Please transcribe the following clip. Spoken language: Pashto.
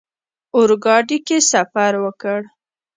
اورګاډي کې سفر وکړ.